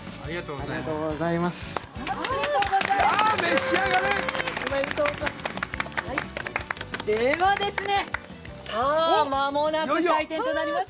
◆ありがとうございます。